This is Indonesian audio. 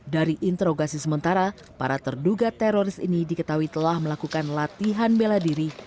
dari interogasi sementara para terduga teroris ini diketahui telah melakukan latihan bela diri